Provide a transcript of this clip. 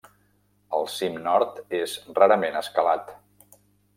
El cim nord és rarament escalat.